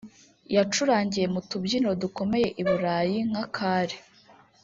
yacurangiye mu tubyiniro dukomeye i Burayi nka Carré